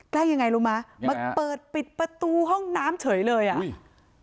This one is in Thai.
ใกล้ยังไงรู้มั้ยมาเปิดปิดประตูห้องน้ำเฉยเลยอ่ะอุ้ย